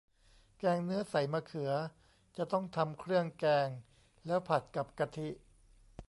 แกงเนื้อใส่มะเขือ จะต้องทำเครื่องแกงแล้วผัดกับกะทิ